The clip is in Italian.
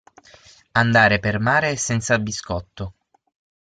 Andare per mare senza biscotto.